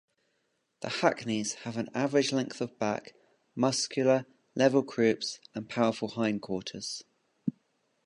The Hackneys have an average length of back, muscular, level croups, and powerful hindquarters.